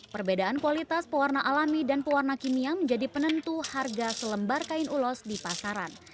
perbedaan kualitas pewarna alami dan pewarna kimia menjadi penentu harga selembar kain ulos di pasaran